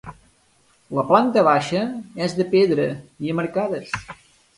La planta baixa és de pedra i amb arcades.